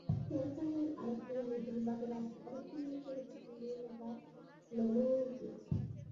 স্যামসাংয়ের আরেক প্রতিদ্বন্দ্বী হিসেবে বাজারে আসতে পারে চীনের প্রযুক্তিপণ্য নির্মাতা লেনোভো।